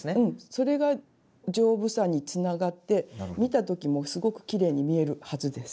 それが丈夫さにつながって見た時もすごくきれいに見えるはずです。